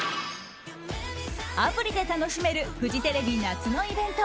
アプリで楽しめるフジテレビ夏のイベント